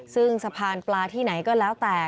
ซึ่งสะพานปลาที่ไหนก็แล้วแต่